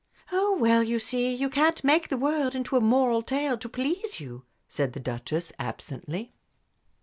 "Oh, well, you see, you can't make the world into a moral tale to please you," said the Duchess, absently.